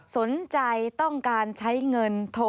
สนใจต้องการใช้เงินโทร